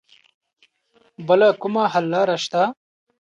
بله کومه حل لاره شته